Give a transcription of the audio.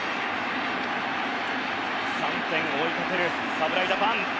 ３点を追いかける侍ジャパン。